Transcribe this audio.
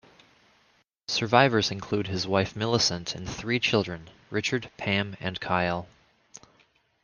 Survivors include his wife Millicent and three children, Richard, Pam and Kyle.